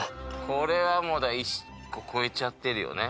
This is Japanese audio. これはもう１個超えちゃってるよね。